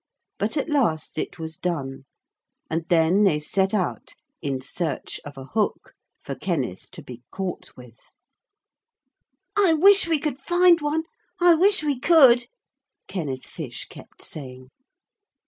But at last it was done. And then they set out in search of a hook for Kenneth to be caught with. 'I wish we could find one! I wish we could!' Kenneth Fish kept saying.